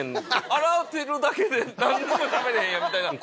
「洗ってるだけで何にもしゃべれへん」みたいな。